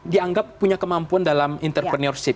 dianggap punya kemampuan dalam entrepreneurship